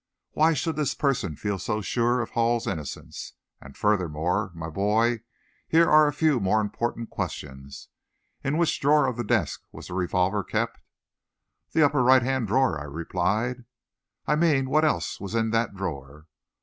Why should this person feel so sure of Hall's innocence? And, furthermore, my boy, here are a few more important questions. In which drawer of the desk was the revolver kept?" "The upper right hand drawer," I replied. "I mean, what else was in that drawer?"